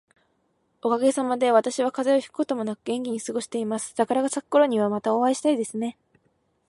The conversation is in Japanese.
おかげさまで、私は風邪をひくこともなく元気に過ごしています。桜が咲くころには、またお会いしたいですね。